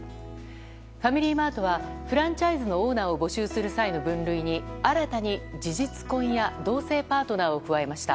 ファミリーマートはフランチャイズのオーナーを募集する際の分類に新たに、事実婚や同性パートナーを加えました。